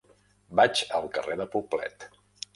Vaig al carrer de Poblet.